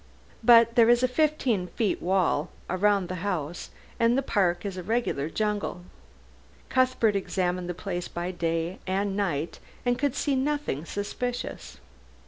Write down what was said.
But there is a fifteen feet wall round the house, and the park is a regular jungle. Cuthbert examined the place by day and night and could see nothing suspicious.